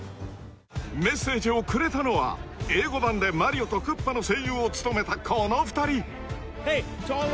［メッセージをくれたのは英語版でマリオとクッパの声優を務めたこの２人］